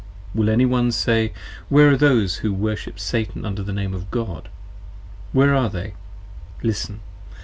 Will any one say, Where are those 20 who worship Satan under the Name of God? Where are they? Listen!